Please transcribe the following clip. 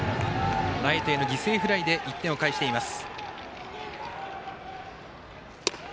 ライトへの犠牲フライで１点を返しています。